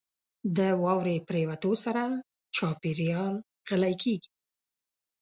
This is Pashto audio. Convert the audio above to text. • د واورې پرېوتو سره چاپېریال غلی کېږي.